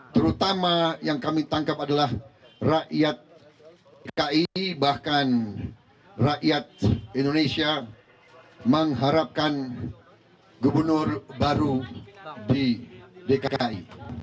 terutama yang kami tangkap adalah rakyat ki bahkan rakyat indonesia mengharapkan gubernur baru di dki